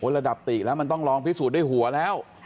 ระดับติแล้วมันต้องลองพิสูจน์ด้วยหัวแล้ว